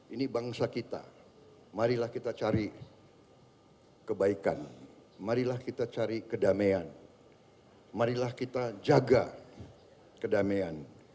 ini bangsa kita marilah kita cari kebaikan marilah kita cari kedamaian marilah kita jaga kedamaian